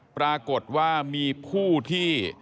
ปรากฏว่ามีผู้ที่